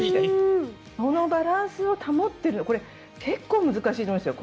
このバランスを保っている結構難しいと思いますよ。